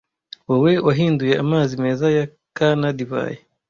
wowe wahinduye amazi meza ya kana divayi